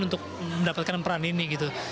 untuk mendapatkan peran ini